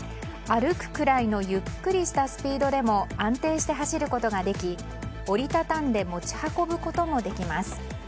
歩くくらいのゆっくりしたスピードでも安定して走ることができ折り畳んで持ち運ぶこともできます。